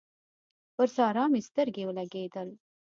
پر سارا مې سترګې ولګېدل